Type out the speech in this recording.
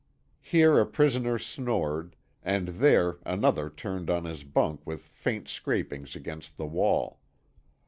Here a prisoner snored, and there another turned on his bunk with faint scrapings against the wall.